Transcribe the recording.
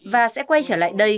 và sẽ quay trở lại đây